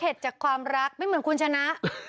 จากความรักไม่เหมือนคุณชนะ